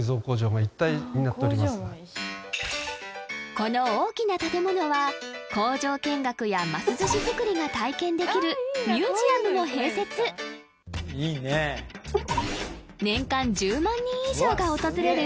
この大きな建物は工場見学やます寿司作りが体験できるミュージアムも併設年間１０万人以上が訪れる